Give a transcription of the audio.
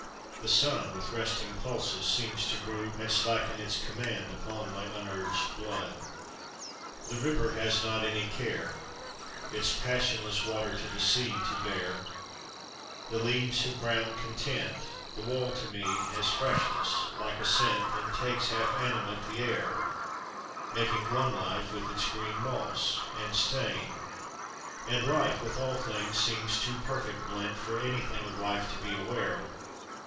The sun with resting pulses seems to brood, And slacken its command upon my unurged blood. The river has not any care Its passionless water to the sea to bear; The leaves have brown content; The wall to me has freshness like a scent, And takes half animate the air, Making one life with its green moss and stain; And life with all things seems too perfect blent For anything of life to be aware.